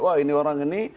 wah ini orang ini